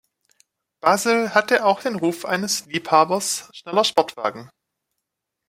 Basil hatte auch den Ruf eines Liebhabers schneller Sportwagen.